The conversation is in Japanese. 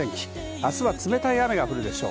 明日は冷たい雨が降るでしょう。